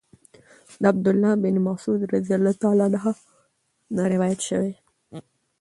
د عبد الله بن مسعود رضی الله عنه نه روايت شوی